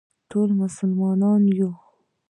ټول مسلمانان یو